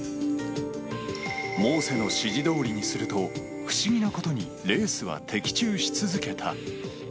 モーセの指示どおりにすると、不思議なことにレースは的中し続けた。